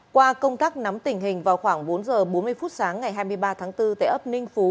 qua công tác nắm tình hình vào khoảng bốn h bốn mươi phút sáng ngày hai mươi ba tháng bốn tại ấp ninh phú